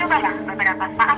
cobalah beberapa saat lagi